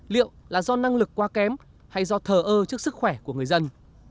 liệu là do năng lực quá kém hay do thờ ơ trước sức khỏe của người dân